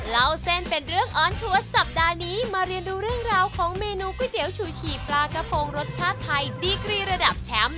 เล่าเส้นเป็นเรื่องออนทัวร์สัปดาห์นี้มาเรียนดูเรื่องราวของเมนูก๋วยเตี๋ยวชูฉี่ปลากระโพงรสชาติไทยดีกรีระดับแชมป์